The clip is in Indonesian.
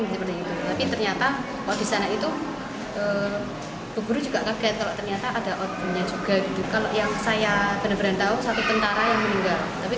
tapi ternyata kalau di sana itu peguru juga kaget kalau ternyata ada outboundnya juga